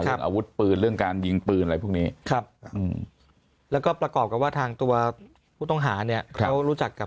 อาวุธปืนเรื่องการยิงปืนอะไรพวกนี้ครับแล้วก็ประกอบกับว่าทางตัวผู้ต้องหาเนี่ยเขารู้จักกับ